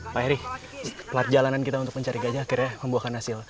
pak heri pelat jalanan kita untuk mencari gajah akhirnya membuahkan hasil